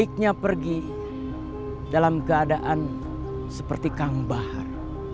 baiknya pergi dalam keadaan seperti kang bahar